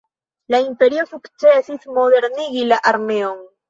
La Imperio sukcesis modernigi la armeon.